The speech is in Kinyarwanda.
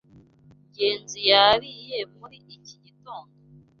Ngenzi yariye muri iki gitondo?